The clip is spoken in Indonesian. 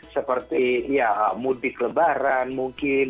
seperti ya mudik lebaran mungkin